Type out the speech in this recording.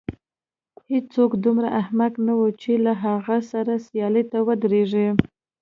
هېڅوک دومره احمق نه و چې له هغه سره سیالۍ ته ودرېږي.